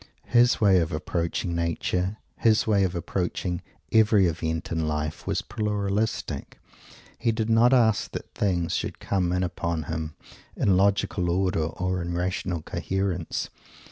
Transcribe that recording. His way of approaching Nature, his way of approaching every event in life, was "pluralistic." He did not ask that things should come in upon him in logical order or in rational coherence.